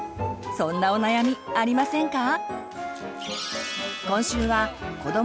そんなお悩みありませんか？